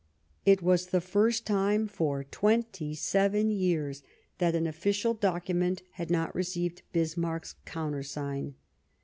It was the first time for twenty seven years that an official docu ment had not received Bismarck's countersign.